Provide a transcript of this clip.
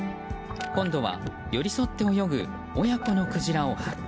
今度は寄り添って泳ぐ親子のクジラを発見。